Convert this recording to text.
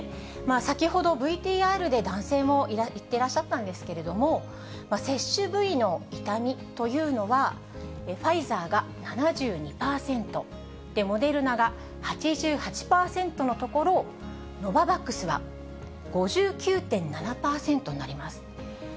先ほどＶＴＲで男性も言っていらっしゃったんですけれども、接種部位の痛みというのは、ファイザーが７２％、モデルナが８８％のところ、ノババックスは５９．７％になります。